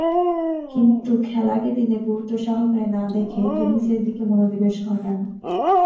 কিন্তু খেলাকে তিনি গুরুত্ব সহকারে না দেখে টেনিসের দিকে মনোনিবেশ ঘটান।